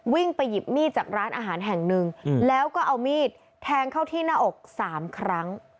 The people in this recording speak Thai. ไปหยิบมีดจากร้านอาหารแห่งหนึ่งแล้วก็เอามีดแทงเข้าที่หน้าอกสามครั้ง